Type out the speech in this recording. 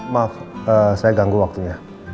maaf saya ganggu waktunya